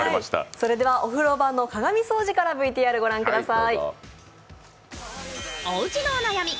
それではお風呂場の鏡掃除からＶＴＲを御覧ください。